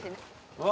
うわ！